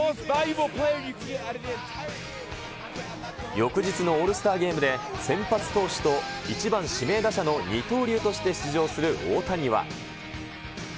翌日のオールスターゲームで、先発投手と１番指名打者の二刀流として出場する大谷は。